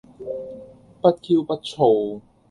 不驕不躁